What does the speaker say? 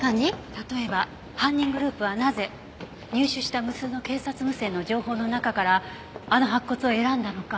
例えば犯人グループはなぜ入手した無数の警察無線の情報の中からあの白骨を選んだのか？